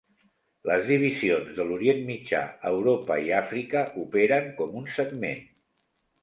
Les divisions de l'Orient Mitjà, Europa i Àfrica operen com un segment.